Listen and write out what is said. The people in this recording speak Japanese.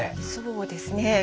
そうですね。